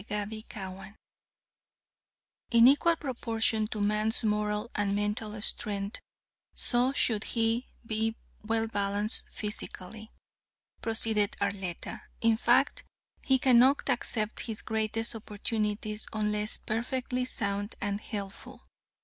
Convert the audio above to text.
CHAPTER XIX "In equal proportion to man's moral and mental strength, so should he be well balanced physically," proceeded Arletta. "In fact, he cannot accept his greatest opportunities unless perfectly sound and healthful.